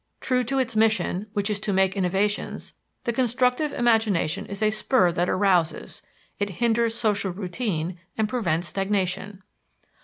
True to its mission, which is to make innovations, the constructive imagination is a spur that arouses; it hinders social routine and prevents stagnation.